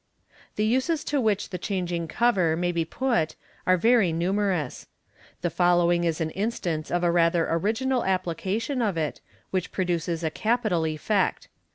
The uses to which the changing cover may be put are very numerous. The following is an instance of a rather original applica tion of it, which produces a capital effect.